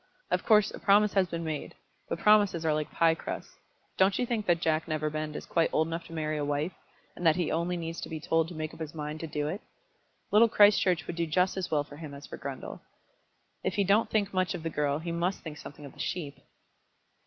Of course a promise has been made; but promises are like pie crusts. Don't you think that Jack Neverbend is quite old enough to marry a wife, and that he only needs be told to make up his mind to do it? Little Christchurch would do just as well for him as for Grundle. If he don't think much of the girl he must think something of the sheep."